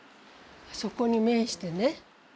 そこに面してね。